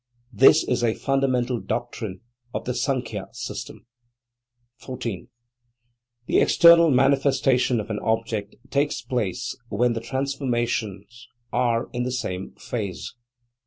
This is a fundamental doctrine of the Sankhya system. 14. The external manifestation of an object takes place when the transformations ore in the same phase.